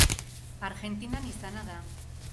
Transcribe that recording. Argentinan izana da.